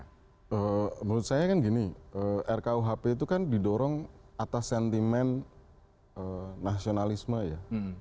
menurut saya kan gini rkuhp itu kan didorong atas sentimen nasionalisme ya